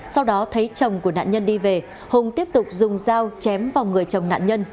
sau đó thấy chồng của nạn nhân đi về hùng tiếp tục dùng dao chém vào người chồng nạn nhân